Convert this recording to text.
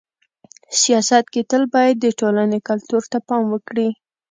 سیاست کي تل باید د ټولني کلتور ته پام وکړي.